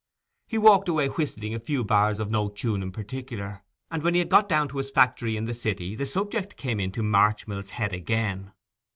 He walked away whistling a few bars of no tune in particular; and when he had got down to his factory in the city the subject came into Marchmill's head again.